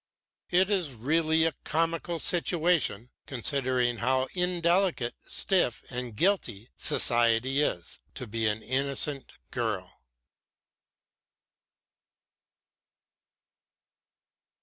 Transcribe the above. It is really a comical situation, considering how indelicate, stiff and guilty society is, to be an innocent girl."